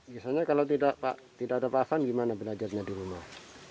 biasanya kalau tidak ada pak afan gimana belajarnya di rumah